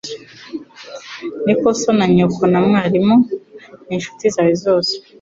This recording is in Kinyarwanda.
Niko So na Nyoko na Mwarimu wawe n'inshuti zawe zose.